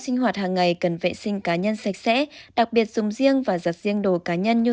sinh hoạt hàng ngày cần vệ sinh cá nhân sạch sẽ đặc biệt dùng riêng và giặt riêng đồ cá nhân như